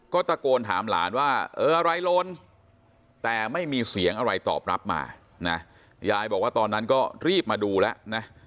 ก็ตะโกนถามหลานว่าเอออะไรล้นแต่ไม่มีเสียงอะไรตอบรับมานะยายบอกว่าตอนนั้นก็รีบมาดูแล้วนะ